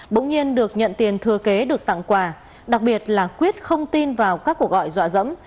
bỗng nhiên được nhận tiền thừa kế được tặng quà đặc biệt là quyết không tin vào các cuộc gọi dọa dẫm